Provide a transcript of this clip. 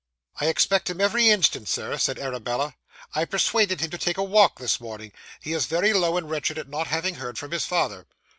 'I expect him every instant, sir,' said Arabella. 'I persuaded him to take a walk this morning. He is very low and wretched at not having heard from his father.